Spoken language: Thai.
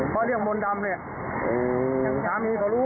พอเรียกมนต์ดำเนี่ยตามนี้เขารู้